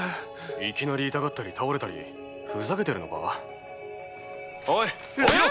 いきなり痛がったり倒れたりふざけてるのか⁉おい起きろッ！